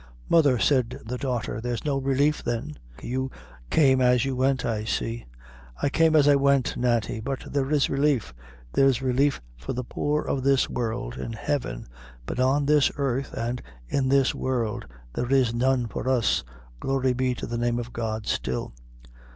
"Mother," said the daughter, "there's no relief, then? You came as you went, I see." "I came as I went, Nanty; but there is relief. There's relief for the poor of this world in Heaven; but on this earth, an' in this world, there is none for us glory be to the name of God, still."